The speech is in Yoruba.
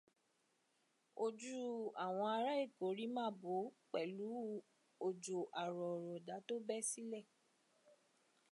Ojú àwọn ará Èkó rí màbo pẹ̀lú òjò àrọ̀ọ̀rọ̀dá tó bẹ́ sílẹ̀.